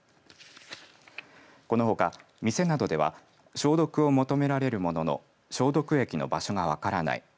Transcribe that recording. このほか、店などでは消毒を求められるものの消毒液の場所が分からない。